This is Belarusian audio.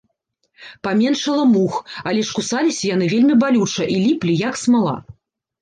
Паменшала мух, але ж кусаліся яны вельмі балюча і ліплі, як смала.